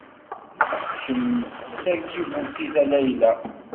Kemm d taǧibutit a Layla?